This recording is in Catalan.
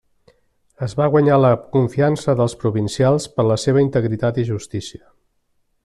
Es va guanyar la confiança dels provincials per la seva integritat i justícia.